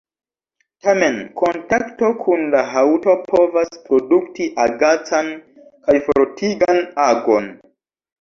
Tamen kontakto kun la haŭto povas produkti agacan kaj frotigan agon.